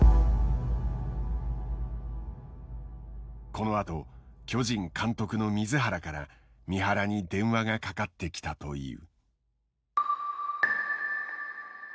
このあと巨人監督の水原から三原に電話がかかってきたという。